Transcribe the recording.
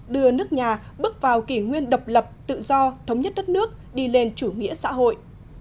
đưa nước nhà bước vào kỷ nguyên độc lập tự do thống nhất đất nước đi lên chủ nghĩa xã hội